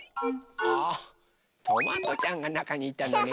あトマトちゃんがなかにいたのね。